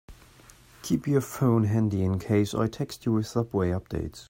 Keep your phone handy in case I text you with subway updates.